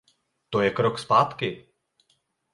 To je krok zpátky.